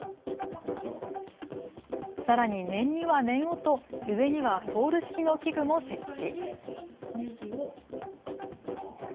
さらに念には念をと上にはポール式の器具も設置。